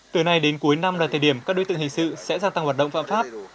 từ nay đến cuối năm là thời điểm các đối tượng hình sự sẽ gia tăng hoạt động phạm pháp